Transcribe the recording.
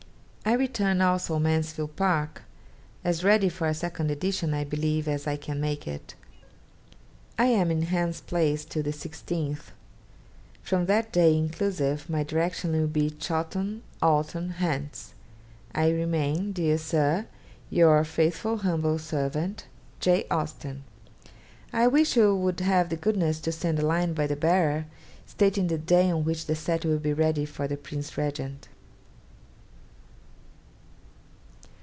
I return also "Mansfield Park," as ready for a second edition, I believe, as I can make it. I am in Hans Place till the 16th. From that day inclusive, my direction will be Chawton, Alton, Hants. 'I remain, dear Sir, 'Yr faithful humb. Servt. 'J. AUSTEN. 'I wish you would have the goodness to send a line by the bearer, stating the day on which the set will be ready for the Prince Regent.'